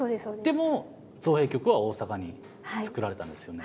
でも造幣局は大阪につくられたんですよね。